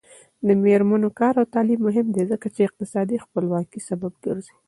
د میرمنو کار او تعلیم مهم دی ځکه چې اقتصادي خپلواکۍ سبب ګرځي.